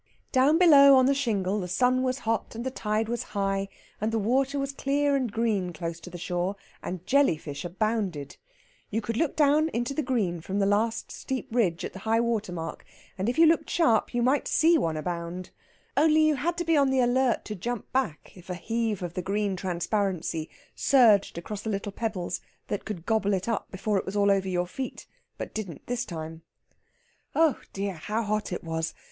Down below on the shingle the sun was hot, and the tide was high, and the water was clear and green close to the shore, and jelly fish abounded. You could look down into the green from the last steep ridge at high water mark, and if you looked sharp you might see one abound. Only you had to be on the alert to jump back if a heave of the green transparency surged across the little pebbles that could gobble it up before it was all over your feet but didn't this time. Oh dear! how hot it was!